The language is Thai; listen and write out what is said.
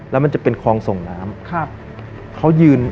แล้วมันจะเป็นคลองส่งน้ำเขายืน